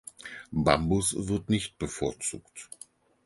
Bambus wird nicht bevorzugt.